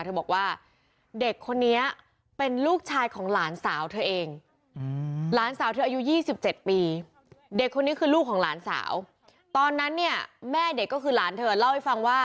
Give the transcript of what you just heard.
เธอบอกว่าเด็กคนนี้เป็นลูกชายของหลานสาวเธอเอง